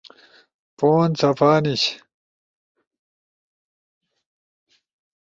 پون صفا نیِش۔